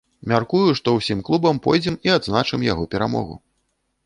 Мяркую, што ўсім клубам пойдзем і адзначым яго перамогу.